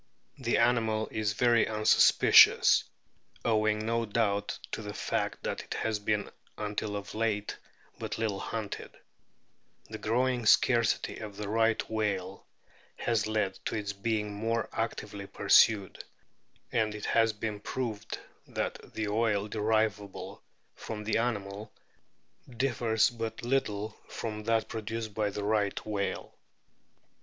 The animal is very unsuspicious, owing no doubt to the fact that it has been until of late but little hunted ; the growing scarcity of the Right whale has led to its being more actively pursued, and it has been proved that the oil derivable from the animal differs but little from that produced by the Right whale.